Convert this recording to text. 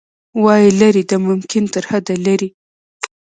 وايي، لیرې د ممکن ترحده لیرې